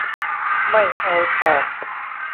ไม่เอาถ่าน